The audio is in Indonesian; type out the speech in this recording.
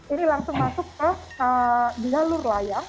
ini langsung masuk ke jalur layang